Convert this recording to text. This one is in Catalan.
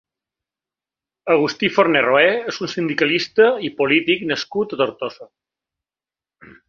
Agustí Forné Roé és un sindicalista i polític nascut a Tortosa.